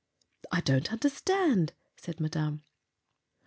"I don't understand," said Madame.